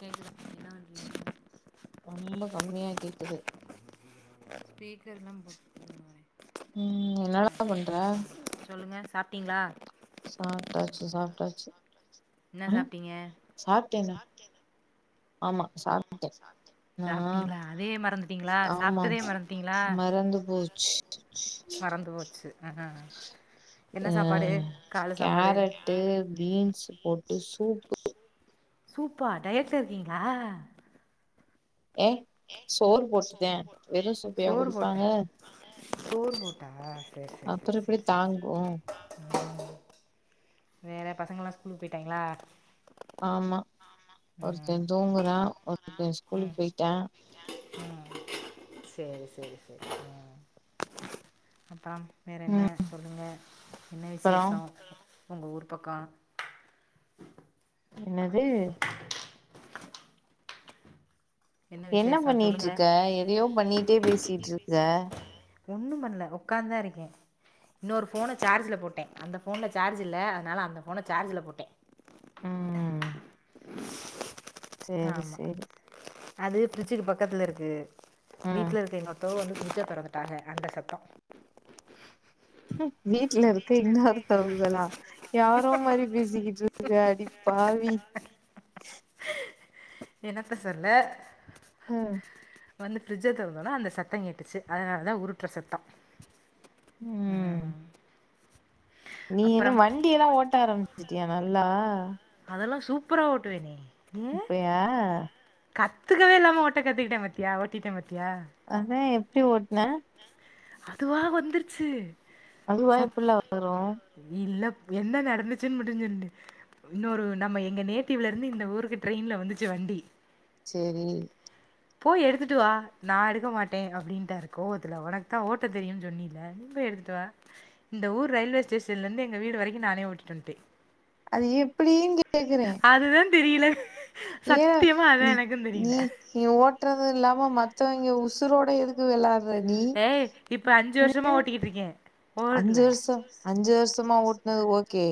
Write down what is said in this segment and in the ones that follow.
கேக்குதா பிரியால் ரொம்ப கம்மியா கேக்குது ஸ்பீக்கர்லா போட்ருக்காங்க ம் என்னால பண்ற சொல்லுங்க சாப் டிங்களா சாப்டாச்சு சாப்டாச்சு என்ன ஆ சாப்ட்டீங்க சாப்டேனா ஆமா சாப் சாப்டீங்ளா அதே மறந்துட்டீங்ளா ஆமா சாப்டதே மறந்துட்டீங்ளா மறந்து போச்சு மறந்து போச்சு அ அ அ கேரட்டு பீன்ஸ் போட்டு சூப்பு சூப்பா டயட்ல இருக்கீங்ளா ஏ சோறு போட்டுதே வெறு சூப்பையா சோறு போட்டே குடிப்பாங்க சோறு போட்டா சரி சரி அப்புற சரி எப்டி சரி சரி சரி தாங்கு ம் வேற பசங்கல்லா ஸ்கூலுக்கு போயிட்டாங்களா ஆமா ஒருத்த ம் தூங்குறா ஒருத்த ம் ஸ்கூலுக்கு போயிட்டா ம் சரி சரி சரி ம் அப்ரம் வேற என்ன ம் சொல்லுங்க என்ன அப்புற விஷேசோ உங்க ஊர் பக்கோ என்னது என்ன விசேஷம் சொல்லுங்கள் பண்ணிட்ருக்க எதையோ பண்ணிட்டே பேசிட்ருக்க ஒண்ணு பண்ல உட்காந்தா இருக்கே இன்னொரு ஃபோன சார்ஜில போட்டே அந்த ஃபோன்ல சார்ஜ் இல்ல ஆனால அந்த ஃபோன சார்ஜில போட்டே ம் சேரி ஆமா சேரி அது பிரிச்சிக்கு பக்கத்துல இருக்கு ம் வீட்ல இருக்க எங்க அக் தோ வந்து பிரிஜ்ஜ தொறந்துட்டாங்க அந்த சத்தோ வீட்ல இருக்க இன்னொருதவங்களா யாரோ மாரி பேசிகிட்ருக்க அடிபாவி என்னத்த சொல்ல ம் வந்து ஃபரிட்ஜ தொறந்தோன அந்த சத்த கேட்டுச்சு அதனால தா உருட்ற சத்தம் ம் நீ என்ன அப்புறம் வண்டியலா ஓட்ட ஆரம்பிச்சட்டி யா நல்லா அதெல்லாம் சூப்பரா ஓட்டுவேனே இப்பையா கத்துக்கவே இல்லாம ஓட்ட கத்துக்கிட்ட பாத்தியா ஓட்டிட்ட பாத்தியா அதா எப்டி ஓட்ன அதுவா வந்துருச்சு அதுவா எபுட்ல வரு தெரியில என்ன நடந்துச்சுன் மட்டு சொல்லு இன்னொரு நம்ம எங்க நேட்டிவ்லேருந்து இந்த ஊருக்கு ட்ரெயின்ல வந்துச்சு வண்டி செரி போய் எடுத்துட்டு வா நா எடுக்க மாட்டே அப்டின்னுட்டாரு கோவத்துல உனக் தா ஓட்ட தெரியுன் சொன்னில [unintelligible] எடுத்துட்டுவா இந்த ஊர் ரயில்வே ஸ்டேஷன்லேருந்து எங்க வீடு வரைக்கு நானே ஓட்டிட்டு வன்டே அது எப்டின்னு கேக்குறே அதுதா தெரியல ஏ சத்தியமா அதா நீ எனக்கு நீ தெரில நீ ஓட்டுறது இல்லாம மத்தவைங்க உசுரோட எதுக் க்கு வேளாட்ற நீ ஏய் இப்ப அஞ்சு அ [unintelligible] அஞ்சு வர்சோ அஞ்சு வர்சமா ஓட்னது ஓகே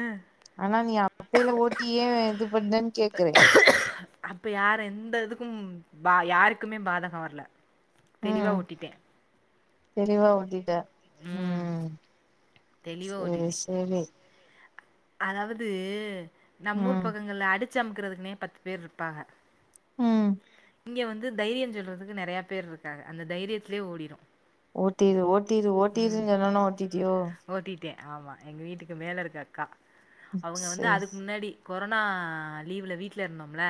ஆ ஆனா நீ அப்பேல ஓட்டி ஏ இது பன்னேன் கேக்குறே அப்ப யார எந்த இதுக்கும் பா யாருக்குமே பாதங்க வர்ல ம் தெளிவா ஓட்டிட்ட ம் தெளிவா செ ஓட்டிட்டே செரி அதாவது நம்மூர் ம் பக்கங்கள்ல அடித் ச்சம் அமுக்குறதுக்னே பத்து பேர் இருப்பாங்க ம் இங்க வந்து தைரியந் சொல்றதுக்கு நறையா பேர் இருக்காங்க அந்த தைரியத்துலே ஓடிடு ஓட்டிரு ஓட்டிரு ஓட்டிருன் சொன்னோன்னே ஓட்டிட்டியோ ஓட்டிட்டே ஆமா எங்க வீட்டுக்கு மேல இருக்க அக்கா அவுங்க வந்து செரி அதுக்கு முன்னாடி கொரொனா லீவ்ல வீட்ல இருந்தம்ல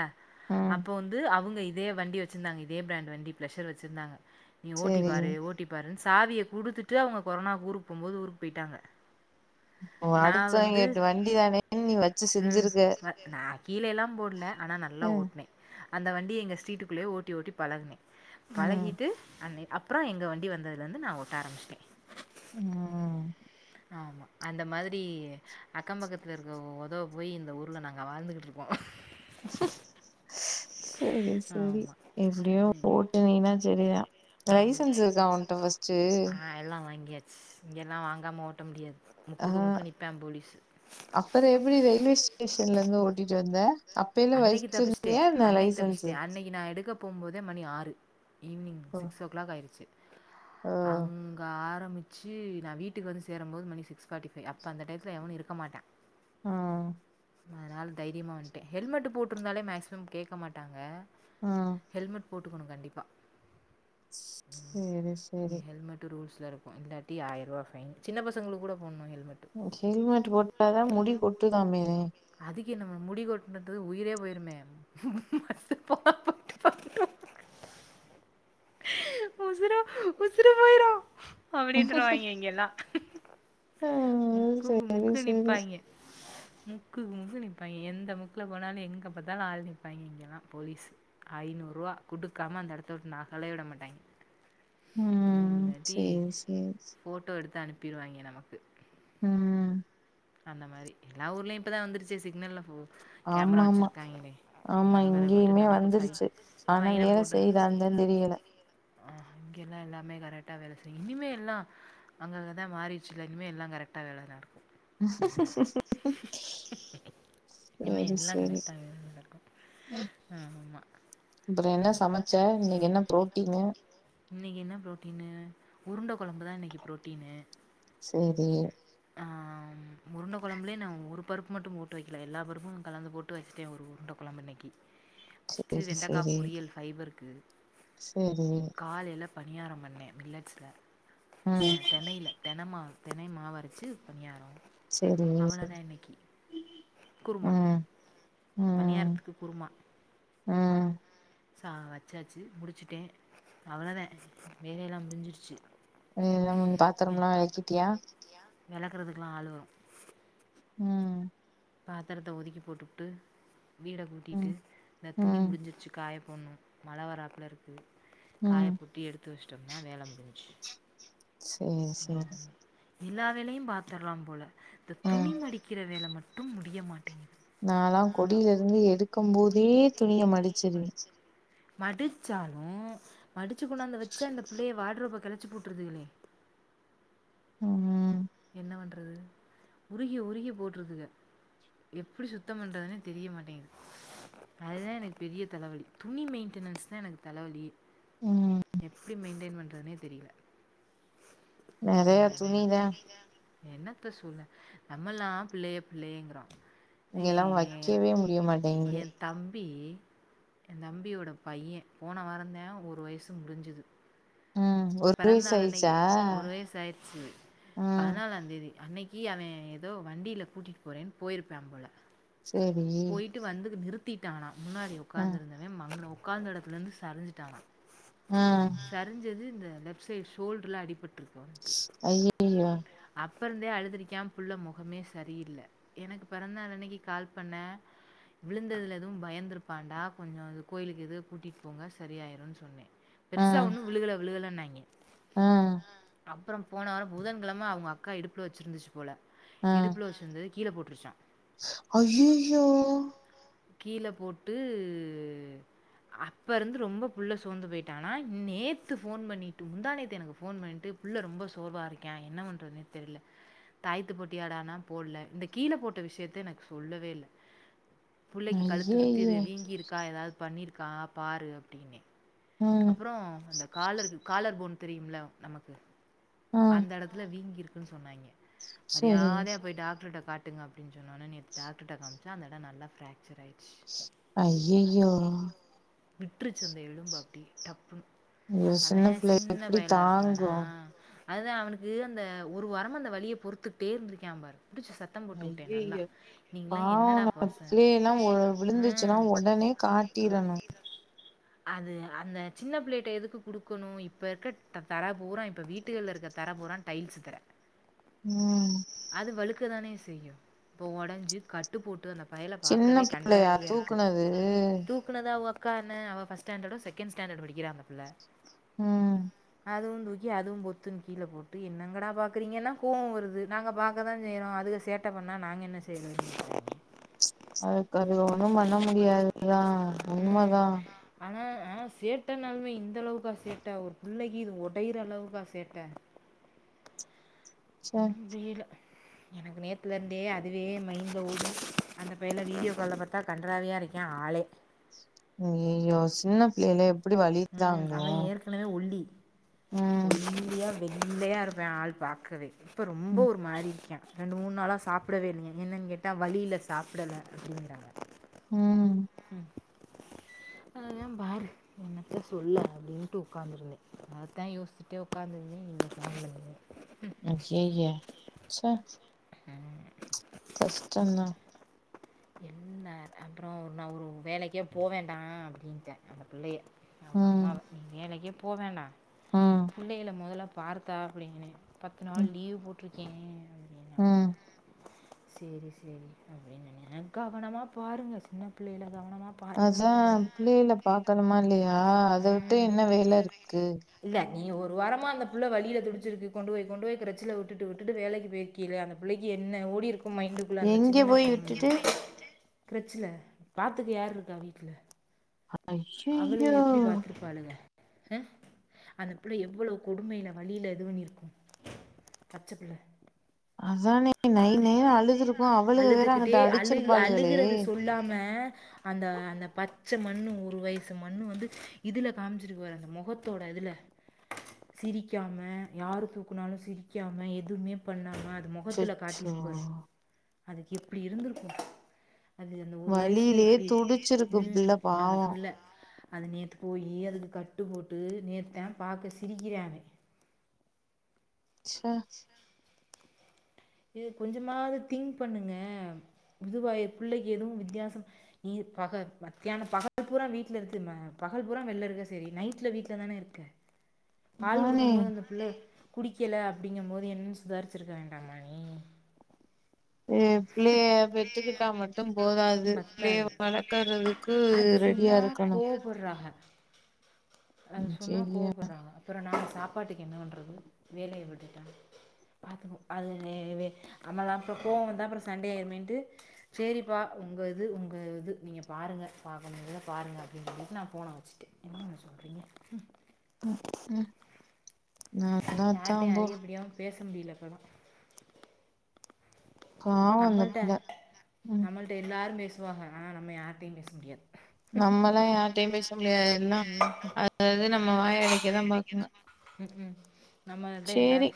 ம் அப்போ வந்து அவுங்க இ இதே வண்டி வச்சுருந்தாங்க இதே பிராண்டு வண்டி பிளஷர் வச்சிருந்தங்க நீ ஓட்டி செரி பாரு ஓட்டி பாருன் சாவிய குடுத்துட்டு அவுங்க கொரொனாக்கு ஊருக் போம் போது ஊருக் பேய்ட்டாங்க ஓ நா வந்து அடுத்தவங்க வண்டி தானேன்னு நீ வச்சு ம் செஞ்சிருக்க அ நா கீழேல்லா போட்ல ஆனா நல்லா ம் ஓட்னே அந்த வண்டிய எங்க ஸ்டீட்டுக்குள்ளே ஓட்டி ஓட்டி பழகுனே ம் பழகிட்டு அன்னே அப் ப்றோ எங்க வண்டி வந்ததுலந்து நா ஓட்ட ஆரம்பிச்ட்டே ம் ஆமா அந்த மாதிரி அக்கம்பக்கத்துல இருக்கவ் ஒதவ போய் இந்த ஊர்ல நாங்க வாழ்ந்துகிட்ருக் கோ சேரி சேரி ஆமா. எப்டியோ ம். ஓட்டுனீனா செரிதா ஆமா லைசன்ஸ் இருக்கா உன்ட்ட ஃபஸ்ட்டு ஆ எல்லா வாங்கியாச்சு இங்கெல்லா வாங்காம ஓட்ட முடியாது முக்குக்கு முக்கு நிப்பா போலிஸ் அப்பறோ எப்டி ரயில்வே ஸ்டேஷன்ல இருந்து ஓட்டிட்டு வந்த அப்பைல அன்னைக்கி தப்ச்சுட்டே வச்சிருந்தியா என்ன அன்னைக்கி லைசன்ஸு தப்ச்சுட்டே அன்னைக்கி நா எடுக்கப் போம்போதே மணி ஆறு ஈவ்னிங் சிக்ஸ் ஓ க்ளாக் ஆயிறுச்சு ஓ அங்க ஆரம்பி ச்சு நா வீட்டுக்கு வந்து சேரம்போது மணி சிக்ஸ் ஃபாட்டி ஃபைவ் அப்ப அந்த டயத்துல எவனு இருக்க மாட்டா ஆ அதனால தைரியமா வந்ட்டே ஹெல்மெட் போட்ருந்தாலே மேக்சிமம் கேக்க மாட்டாங்க ஆ ஹெல்மெட் போட்டுக்கணு கண்டிப்பா சேரி சேரி இங்க ஹெல்மெட் ரூல்ஸ் ல இருக்கு இந்தட் டி ஆயிருவா ஃபைன் சின்ன பசங்களுகு கூட போனுமா ஹெல்மெட்டு ம் ஹெல்மெட் போட்டாதா முடி கொட்டுதாமே அதுக்கென்ன மேம் முடி கொட் னுது உயிரே போயிருமே [unintelligible] உசுரோ உசுரு போய்ரு அப்டின்றுவாங்கே இங்கெல்லா ஆ முக்குக்கு சேரி முக்கு சேரி நிப்பாங்கே முக்குகு முக்கு நிப்பாங்கே எந்த முக்குல போனாலு எங்க பாத்தாலு ஆள் நிப்பாங்கே இங்கெல்லா போலீசு ஐநூருவா குடுக்காம அந்த எடத்த வுட்டு நகலே வுட மாட்டாங்கே ம் இல்லாட்டி சேரி சேரி போட்டோ எடுத்து அனுப்பிருவாங்கே நமக்கு ம் அந்த மாரி எல்லா ஊர்லயு இப்பதா வந்துருச்சே சிக்னல்ல ஃபு கேமரா ஆமா ஆமா வச்சிருக்காங்களே ஆமா இங்கயுமே வந்துருச்சு ஆனா ஃபைன வேல செய்தான்ந்தா தெரியல ஆஹ இங்கெல்லா எல்லாமே கரெக்ட்டா வேல செய்யு இனிமே எல்லா அங்கங்கதா மாறிடுச்சுல இனிமே எல்லா கரெக்டா வேல நடக்கு இனிமே சேரி எல்லா சேரி கரெக்டாவே தா நடக் ஆமா அப்றோ என்ன சமச்ச இன்னைக்கி என்ன ப்ரோட்டின்னு இனைக்கி என்ன ப்ரோட்டீனு உருண்ட கொழம்பு தா இன்னைக்கி ப்ரோட்டீனு சேரி ஆம் உருண்ட கொழம்புலே நா ஒரு பருப்பு மட்டு போட்டு வைக்கல எல்லா பருப்பு கலந்து போட்டு வச்சுட்டே ஒரு உருண்ட கொழம்பு இன்னைக்கி வச்சுட்டு சேரி வெண்டக்கா பொரியல் ஃபைபருக்கு சரி காலைல பணியாரோ பண்ணே மில்லட்ஸ்ல ம் செ தெனையில தெனமாவு தெனை மாவு அரச்சு பணியாரோ சேரிங்க குருமா பணியாரத்துக்கு குருமா ஆ சா வச்சாச்சு முடிச்சுட்டே அவ்ளதே வேலை எல்லா முடிஞ்சிருச்சு ம் எல்லாம் பாத்தரமெல்லா வெளக்கிட்டியா வெளக்குறதுக்குல்லா ஆளு வரு ம் பாத்தரத்த ஒதுக்கி போட்டுபுட்டு வீட கூட்டிட்டு ம் இந்த துணி ம் முடிஞ்சிருச்சி காய போட்ணு மழ வராப்பல இருக்கு காய ம் போட்டு எடுத் து வஷ்டோம்னா வேல முடிஞ்சிச்சு சேரி சேரி எல்லா வேலையு பாத்துர்லா போல இந்த ம் துணி மடிக்கிற வேல மட்டும் முடிய மாட்டேங் நாலா கொடில இருந்து எடுக்கும் போதே துணிய மடிச்சிருவே மடிச்சாலு மடிச்சி கொண்டாந்து வச்சா இந்த பிள்ளைக வார்டு ரோப்ப கெளச்சி போட் றுதுகளே ம் என்ன பண்றது உருகி உருகி போட்றுதுக எப்டி சுத்தோ பண்றதுன்னே தெரிய மாட்டேங்குது அதுதா எனக்கு பெரிய தலவலி துணி மெயின்டெனன்ஸ் தா எனக்கு தலவலியே ம் எப்டி மெயின்டெயின் பண்றதுன்னே தெரியல நெறைய ம் துணிதா என்னத்த சொல்ல நம்மெல்லா பிள்ளைக பிள்ளைகங்கிறோ இங்கெல்லா வைக்கவே முடியமாட்டேங்கிது என் தம்பி ஏ தம்பியோட பையே போன வாரோந்தே ஒரு வயசு முடிஞ்சது ம் ஒரு பிறந்த வயசு நாள் அன்னக்கி ஆயிச்சா ஒரு வயசு ஆயிர்ச்சி ம் பதினாலாந்தேதி அன்னக் கி அவே ஏதோ வண்டில கூட்டிட்டு போறேன்னு போயிருப்பா போல சேரி போயிட்டு வந்து நிறுத்திட்டானா முன்னாடி அ ஒக்காந்திருந்தவே அங்குன ஒக்காந்த எடத்துல இருந்து சரிஞ்சிட்டானா ம் சரிஞ்சது இந்த லெப்ட் சைடு ஷோல்டர்ல அடிபட்ருக்கு அவனுக்கு ஐயையோ அப்ப இருந்தே அழுதிரிக்கா புள்ள மொகமே சரியில்ல எனக்கு பிறந்தாள் அன்னக்கி கால் பண்ண விழுந்ததுல எதுவு பயந்திருப்பாண்டா கொஞ்சோ கோயிலுக்கு எதுவு கூட்டிட்டு போங்க சரியாயிருன் சொன்னே அ பெருசா ஒண்ணு விழுகல விழுகலனாங்க ஆ அப்பறோ போன வாரோ புதன்கெழம அவுங்க அக்கா இடுப்புல வச்சிருந்துச்சி போல இடுப்புல வச்சி ருந்தது கீழ போட்ருச்சா அய்யய்யோ கீழ போட்டு அப்ப இருந்து ரொம்ப பிள்ள சோந்து போயிட்டானா நேத்து ஃபோன் பண்ணிட்டு முந்தா நேத்து எனக்கு ஃபோன் பண்ணிட்டு பிள்ள ரொம்ப சோர்வா இருக்கா என்ன பண்றதுன்னே தெர்ல தாயத்து போட்டியாடானா போடல இந்த கீழ போட்ட விஷயத்த எனக்கு சொல்லவே இல்ல புள்ளைக்கி கழுத்து சுத்தி ஐயைய எதுவு வீங்கீருக்கா ஏதாவது பண்ணிருக்கா பாரு அப்டின்னே ம் அப்பறோ அந்த காலருக்கு காலர் போன்னு தெரியும்ல நமக்கு ஆ அந்த எடத்துல வீங்கிருக் கு சொன்னாங்கே சரி மரியாதயா போய் டாக்டர்கிட்ட காட் ட்டுங்க அப்டின் சொன்னோனே நேத்து டாக்டிருட காமிச்சா அந்த எடோ நல்லா ஃப்ரக்சர் ஆயிச்சு ஐய்யய்யோ விற்றுச்சந்த எழும்பு அப்டியே டப்புணு ஐயோ சின்ன புள்ள எப்டி தாங்கு அதுதா அவனுக்கு அந்த ஒரு வாரமந்த வலிய பொறுத்துக்கிட்டே இர்ந்திருக்கியா பாரு புடிச்சு சத் ஐய்யய்ய பாவோங்க பாச புளையெல்லா ஒ விழுந்துச்சுனா ம் ஒடனே காட்டிறனு அது அந்த சின்ன புளைட எதுக்கு குடுக்கணு இப்ப இருக்க தர பூற இப்ப வீட்டுகள்ல இருக்க தர பூறா டைல்ஸ் தர ம் அது வழுக்க தானே செய்யு இப்ப ஒடஞ்சு கட்டு போட்டு ந பயல சின்ன பாக்கவே பிள்ளையா கன்றவியாருக்கு தூக்குனது தூக் முக்குல தா ஒக்காந்தே அவ ஃபஸ்ட் ஸ்டாண்டடோ செகண்ட் ஸ்ண்டர்ட் படிக்கிற அந்த புள்ள ம் அதுவு தூக்கி அதுவு பொத்துன் கீழ போட்டு என்னங்கட பாக்றீங்கென்ன கோவோ வருது நாங்க பாக்கதா செய்றோ அதுக சேட் ட்ட பண்ணா நாங்க என்ன செய்றது அதுக்கதுகல ஒண்ணு பண்ண முடியாதுதா ம் உண்மதா ஆனா ஆ சேட்டனாலுமே இந்த அளவுக்கா சேட்ட ஒரு புள்ளைக்கி இது உடையிற அளவுக்கா சேட்ட ச்சே ம் செய்யல எனக்கு நேத்துலர்ந்தே அதுவே மைண்டில ஓடுது அந்த பையன வீடியோ கால்ல பாத்தா கன்றாவியா இருக்கியா ஆளே ஐய்யய்யோ சின்ன புள்ளையல எப்டி வலிதாங்கோ புள்ள வே ஒல்லி ஒல்லியா வெள்ளையா இருப்பய் ஆள் பாக்கவே இப்ப ரொம்ப ம் ஒரு மாரிக்கியா ரெண்டு மூண் நாளா சாப்பிடவே இல்லியா என்னன் கேட்டா வலியில சாப்பிடல அப்டிங்கிறாங்க ம் அதுதா பாரு என்னத்தா சொல்ல அப்டின்ட்டு உக்காந்துருந்தே அதா யோச்சுட்டே உக்காந்துருந்தே இன்னிக் கால்லந்து அய்யய்ய சே உம் கஷ்டந்தா என்ன அப்புற நா ஒரு வேலைக்கே போ வேண்டா அப்டின்டே அந்த புள்ளய அவங்க ம் அம்மாவ நீ வேலைக்கே போவேண்டா ம் புள்ளைகல முதல்ல பாருத்தா அப்டின்னே பத்து நாள் ம் லீவு போட்ருக்கே ம் சேரி சேரி அப்டின் நா கவனமா பாருங்க சின்ன புள்ளைகல கவனமா அதா புள்ளயில பாக்கனுமா இல்லையா அத வுட்டு இன்ன வேலருக்கு இல்ல நீ ஒரு வாரமா அந்த புள்ள வலியில துடிச்சிருக்கு கொண்டுவோய் கொண்டுவோய் கிரச்சில வுட்டுடு வுட்டுடு வேலைக்கி பேயி கிற அந்த புள்ளைக்கி என்ன ஓடிருக்கு மைண்டுக்குள்ள அந்த எங்க சின்ன போய் புள் விட்டுட்டு கிரெச்சில பாத்துக்க யார் இருக்கா வீட்ல அவளுக ஐயையோ எப்டி பாத்துப்பாளுங்க அ அந்த புள்ள எவ்வளவு கொடுமையில வலியில இதுவண்ணிருக்கு பச்ச புள்ள அதானே நை நைனே அழுதுருக்கு அவளுக வேற அங்கிட்ட அடிச்சிருப்பாளுகளே இல்லாம அந்த அந்த பச்ச மண்ணு ஒரு வயசு மண்ணு வந்து இதுல காமிச்சிருக்குவார் அந்த மொகத்தோட இதுல சிரிக்காம யாரு தூக்குனாலு சிரிக்காம எதுமே பண்ணாம மொகத்துல அச்சச்சோ காடிஸ்பாஸ் அதுக்கு எப்டி இருந்திருக்கு அது அந்த ஒரு வய்ஸ்ல வலியிலயே எப்டி துடிச்சிருக்கு ம் பிள்ள அந்த பாவோ புள்ள அது நேத்து போயி அதுக்கு கட்டு போட்டு நேத்தான் பாக்க சிரிக்கிறான் அவே ச்ச இது கொஞ்சமாவது திங்க் பண்ணுங்க மிதுவாய பிள்ளைக்கு எதூ வித்யாசோ நீர் பக மத்தியானோ பகல் பூரா வீட்ல இருக்குது ம பகல் பூரா வெள்ல இருக்க செரி நைட்ல வீட்லதான இருக்க பால் அதானே குடுக்கும்போது அந்த புள்ள குடிக்கல அப்டிங்கும்போது என்ன் சுதார்ச்சிருக்க வேண்டாமா நீ? ஏ பிள்ளைய பெத்துக்கிட்டா மட்டும் போதாது பிள்ளைய பத்தாது. வளக்கறது க்கு ரெடியா இருக்கணு புர்றாக அத சொன்னா சரியா கோவப்பட்றாங்க அப்புறோ நாங்க சாப்பாட்டுக்கு என்ன பண்றது வேலைய விட்டுட்டா பாத்துக்கோ அது எ இவே நம்மலா அப்றோ கோவோவந்தா அப்புறோ சண்டயாய்ருமேன்ட்டு சேரிப்பா உங்க இது உங்க இது நீங்க பாருங்க பாக்க முடுஞ்சா பாருங்க அப்டின் சொல்லிட்டு நா ஃபோன வச்சு என்னங்க சொல்றிங்க ம் ம் ம் நா யார்ட்டயு அதிகப்படியாவு பேச முடில இப்பலா பாவோ அந்த நம்மள்ட்ட பிள்ள ம் நம்மள் ட்ட எல்லாரு பேசுவாக ஆனா நம்ம யார்ட்டயு பேச முடியாது நம்மல்லா யார்ட்டயு பேச முடியாது எல்லா அ [inaudible] அது நம்மோ வாயடைக்கதா பாக்குங்க ம் ம் நம்மள்ட்ட எல்லா சேரி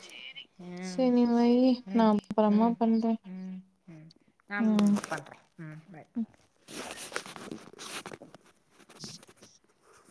ம் சேர் நீங்க வையி நா அப்பறமா பண்றே அம் ம் பண்றே ம் பாய்